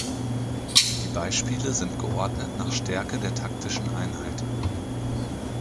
Die Beispiele sind geordnet nach Stärke der Taktischen Einheit.